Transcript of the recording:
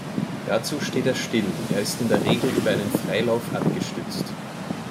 Dazu steht er still, er ist in der Regel über einen Freilauf abgestützt.